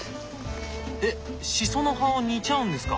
えっしその葉を煮ちゃうんですか。